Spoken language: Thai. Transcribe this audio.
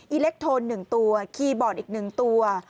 อิเล็กโทน๑ตัวคีย์บอร์ดอีก๑ตัว